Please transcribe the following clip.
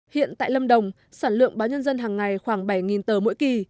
hiện tại lâm đồng sản lượng báo nhân dân hàng ngày khoảng bảy tờ mỗi kỳ